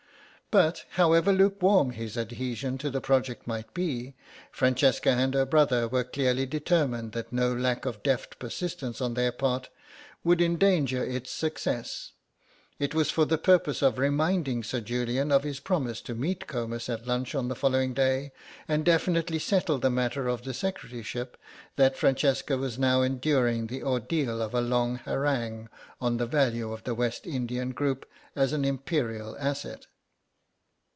But, however lukewarm his adhesion to the project might be, Francesca and her brother were clearly determined that no lack of deft persistence on their part should endanger its success. It was for the purpose of reminding Sir Julian of his promise to meet Comus at lunch on the following day, and definitely settle the matter of the secretaryship that Francesca was now enduring the ordeal of a long harangue on the value of the West Indian group as an Imperial asset.